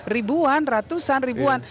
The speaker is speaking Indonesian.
ribuan ratusan ribuan